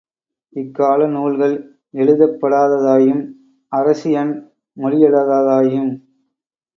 இக்கால நூல்கள் எழுதப்படாததாயும், அரசியன் மொழியல்லாததாயும்